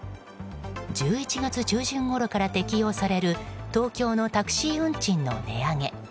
１１月中旬ごろから適用される東京のタクシー運賃の値上げ。